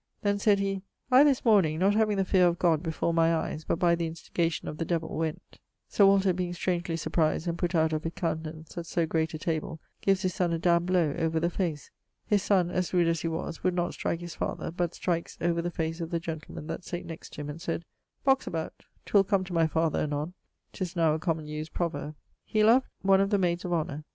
Then sayd he, 'I, this morning, not having the feare of God before my eies but by the instigation of the devill, went....' Sir Walter being strangely surprized and putt out of his countenance at so great a table, gives his son a damned blow over the face. His son, as rude as he was, would not strike his father, but strikes over the face the gentleman that sate next to him and sayd 'Box about: 'twill come to my father anon.' 'Tis now a common used proverb. He loved ... one of the mayds of honor[LXXI.